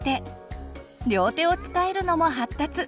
両手を使えるのも発達！